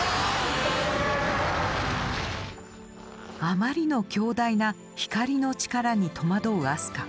あまりの強大な「光の力」に戸惑うアスカ。